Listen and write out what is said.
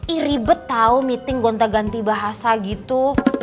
i ribet tau meeting gonta ganti bahasa gitu